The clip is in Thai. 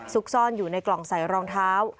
ซ่อนอยู่ในกล่องใส่รองเท้า